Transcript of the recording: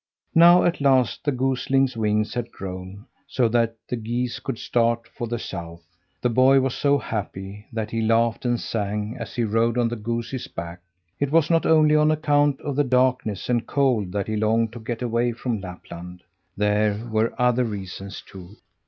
Now, at last, the goslings' wings had grown, so that the geese could start for the south. The boy was so happy that he laughed and sang as he rode on the goose's back. It was not only on account of the darkness and cold that he longed to get away from Lapland; there were other reasons too.